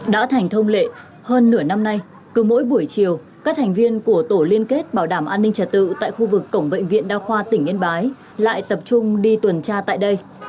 đã thành thông lệ hơn nửa năm nay cứ mỗi buổi chiều các thành viên của tổ liên kết bảo đảm an ninh trật tự tại khu vực cổng bệnh viện đa khoa tỉnh yên bái lại tập trung đi tuần tra tại đây